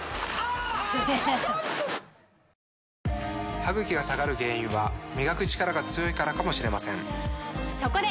歯ぐきが下がる原因は磨くチカラが強いからかもしれませんそこで！